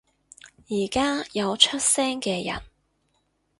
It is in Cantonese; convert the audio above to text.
而家有出聲嘅人